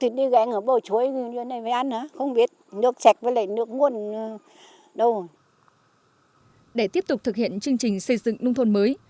huyện rạ bản đã đưa ra nhiều giải pháp để triển khai thực hiện các tiêu chí còn lại